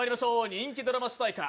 人気ドラマ主題歌